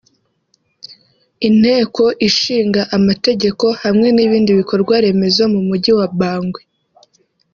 Inteko Ishinga Amategeko hamwe n’ibindi bikorwa remezo mu Mujyi wa Bangui